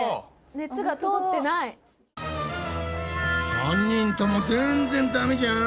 ３人ともぜんぜんダメじゃん！